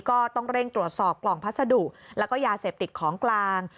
ก็ต้องเร่งตรวจสอบกล่องพัสดุแล้วก็ยาเสพติดของกลาง